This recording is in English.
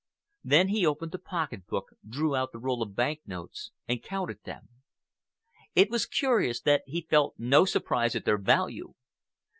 Then he opened the pocket book, drew out the roll of bank notes and counted them. It was curious that he felt no surprise at their value.